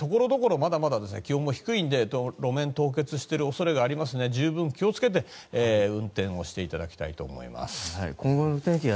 まだまだ気温も低いので路面凍結している恐れがありますので十分に気を付けて運転していただきたいと思います。